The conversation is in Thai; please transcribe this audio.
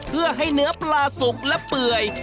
เพื่อให้เนื้อปลาสุกและเปื่อย